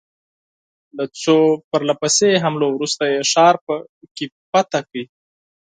له څو پرله پسې حملو وروسته یې ښار په کې فتح کړ.